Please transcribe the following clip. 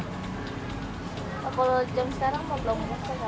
kalau jam sekarang sama belum